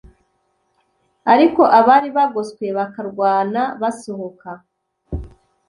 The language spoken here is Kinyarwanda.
ariko abari bagoswe, bakarwana basohoka